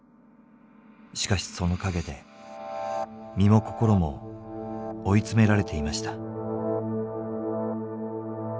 しかしその陰で身も心も追い詰められていました。